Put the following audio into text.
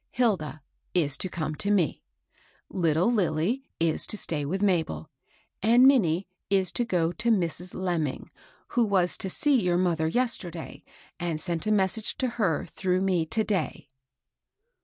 Hilda is to come to me; little Lilly is to stay with Mabel; and Minnie is to go to Mrs. Lemming, who was to see your mother yester day, and sent a message to her through me to day."